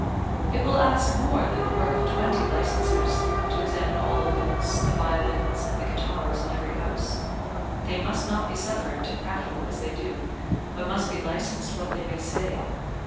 It will ask more than the work of twenty licensers to examine all the lutes, the violins, and the guitars in every house; they must not be suffered to prattle as they do, but must be licensed what they may say.